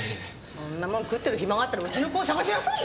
そんなもん食ってる暇があったらうちの子を捜しなさいよ。